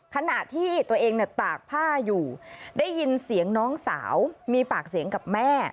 ขณะที่ตัวเองตากผ้าอยู่ได้ยินเสียงน้องสาวมีปากเสียงกับแม่